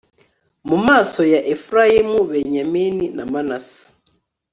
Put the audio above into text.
mu maso ya efurayimu, benyamini na manase